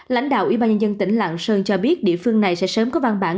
lãnh đạo ủy ban nhân dân tỉnh lạng sơn cho biết địa phương này sẽ sớm có văn bản